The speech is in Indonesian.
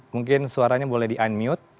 mungkin suaranya boleh di unmute